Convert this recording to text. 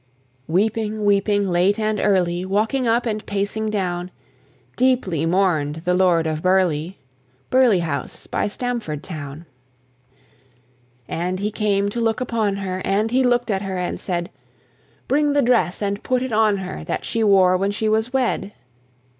Weeping, weeping late and early, Walking up and pacing down, Deeply mourn'd the Lord of Burleigh, Burleigh house by Stamford town. And he came to look upon her, And he look'd at her and said, "Bring the dress and put it on her That she wore when she was wed."